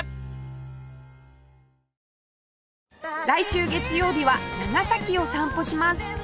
来週月曜日は長崎を散歩します